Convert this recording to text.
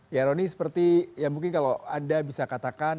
ya roni seperti ya mungkin kalau anda bisa katakan